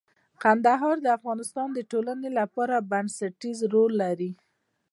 کندهار د افغانستان د ټولنې لپاره بنسټيز رول لري.